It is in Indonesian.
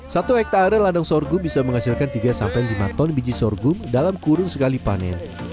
satu hektare ladang sorghum bisa menghasilkan tiga sampai lima ton biji sorghum dalam kurun sekali panen